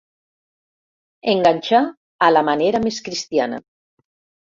Enganxar a la manera més cristiana.